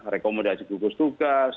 rekomendasi bukus tugas